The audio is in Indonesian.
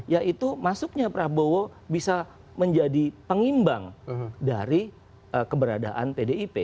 yaitu masuknya prabowo bisa menjadi pengimbang dari keberadaan pdip